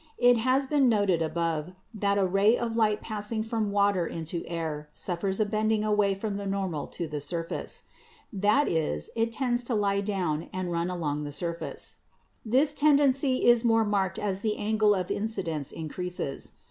It has been noted above that a ray of light passing from water into air suffers a bending away from the normal to the surface. That is, it tends to lie down and run along the surface. This tendency is more 84 PHYSICS marked as the angle of incidence increases.